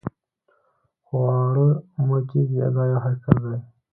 څو واره مړه کېږي دا یو حقیقت دی.